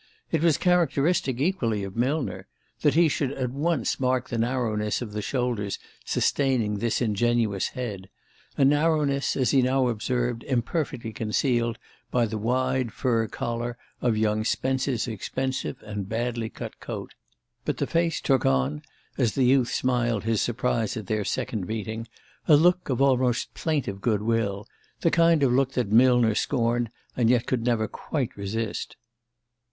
It was characteristic, equally, of Millner, that he should at once mark the narrowness of the shoulders sustaining this ingenuous head; a narrowness, as he now observed, imperfectly concealed by the wide fur collar of young Spence's expensive and badly cut coat. But the face took on, as the youth smiled his surprise at their second meeting, a look of almost plaintive good will: the kind of look that Millner scorned and yet could never quite resist.